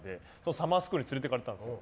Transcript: サマースクールに連れていかれたんですよ。